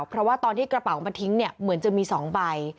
เพราะว่าตอนที่กระเป๋ามาทิ้งเนี่ยเหมือนจะมี๒ใบ